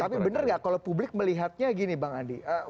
tapi benar nggak kalau publik melihatnya gini bang andi